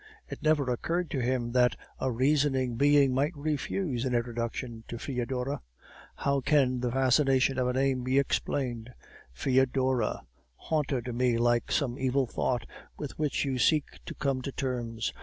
It never occurred to him that a reasoning being could refuse an introduction to Foedora. How can the fascination of a name be explained? FOEDORA haunted me like some evil thought, with which you seek to come to terms.